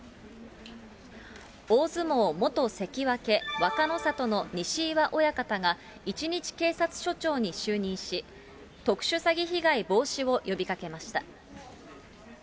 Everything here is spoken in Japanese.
大相撲元関脇・若の里の西岩親方が一日警察署長に就任し、特殊詐欺被害防止を呼びかけました。